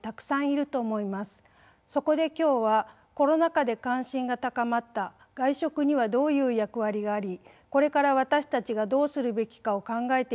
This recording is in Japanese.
そこで今日はコロナ禍で関心が高まった外食にはどういう役割がありこれから私たちがどうするべきかを考えてみたいと思います。